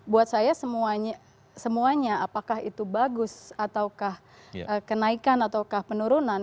buat saya semuanya apakah itu bagus ataukah kenaikan ataukah penurunan